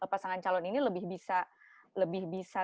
pasangan calon ini lebih bisa